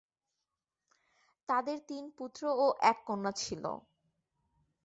তাদের তিন পুত্র ও এক কন্যা ছিল।